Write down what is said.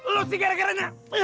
lo sih gara garanya